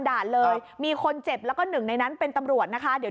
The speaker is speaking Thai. ด่านเลยมีคนเจ็บแล้วก็หนึ่งในนั้นเป็นตำรวจนะคะเดี๋ยว